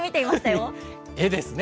エですね。